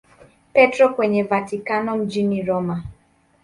Petro kwenye Vatikano mjini Roma.